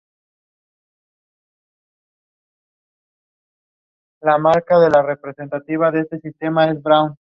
Su actual eslogan de promoción turística es "La magia de tenerlo todo".